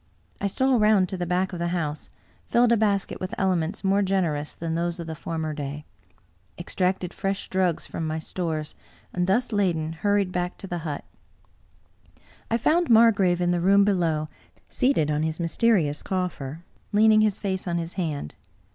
I stole round to the back of the house, filled a basket with elements more generous than those of the for mer day ; extracted fresh drugs from my stores, and, thus laden, hurried back to the hut. I found Margrave in the room below, seated on his mysterious coffer, leaning his face on his hand.